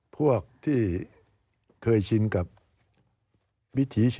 สวัสดีครับทุกคน